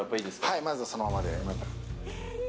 はい、まずはそのままで。